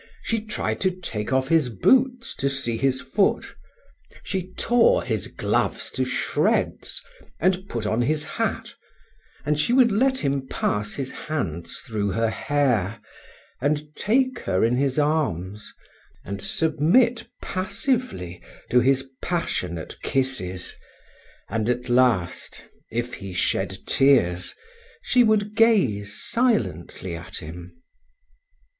She tried to take off his boots to see his foot; she tore his gloves to shreds, and put on his hat; and she would let him pass his hands through her hair, and take her in his arms, and submit passively to his passionate kisses, and at last, if he shed tears, she would gaze silently at him.